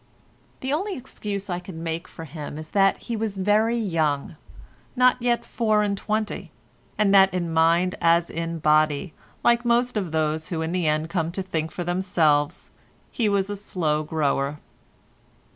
The only excuse I can make for him is that he was very young—not yet four and twenty—and that in mind as in body, like most of those who in the end come to think for themselves, he was a slow grower.